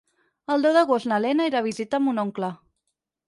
El deu d'agost na Lena irà a visitar mon oncle.